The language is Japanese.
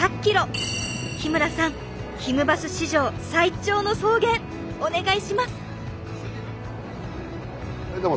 日村さんひむバス史上最長の送迎お願いします！